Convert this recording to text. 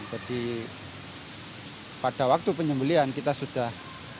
jadi pada waktu penyembelian kita sudah